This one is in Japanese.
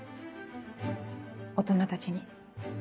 大人たちに。